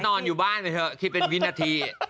นอนอยู่บ้านไปเถอะคิดเป็นวินาที